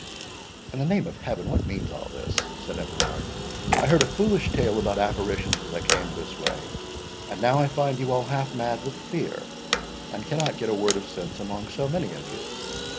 "In the name of Heaven, what means all this?" said Everard. "I heard a foolish tale about apparitions as I came this way, and now I find you all half mad with fear, and cannot get a word of sense among so many of you.